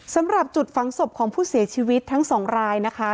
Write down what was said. สำหรับจุดฝังศพของผู้เสียชีวิตทั้งสองรายนะคะ